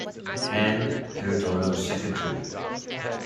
Hand, territorial secretary.